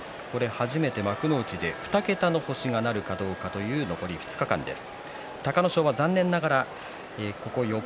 初めて幕内で２桁の星なるかという残り２日間です。